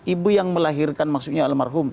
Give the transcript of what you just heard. ibu yang melahirkan maksudnya almarhum